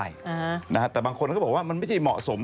ใช่นะฮะแต่บางคนก็บอกว่ามันไม่ใช่เหมาะสม